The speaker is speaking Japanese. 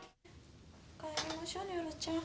帰りましょうニョロちゃん。